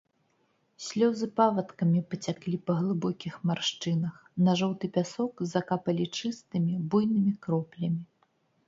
Слёзы павадкамі пацяклі па глыбокіх маршчынах, на жоўты пясок закапалі чыстымі, буйнымі кроплямі.